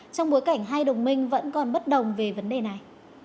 trong bối cảnh hai đồng minh vẫn còn bất đồng về vấn đề này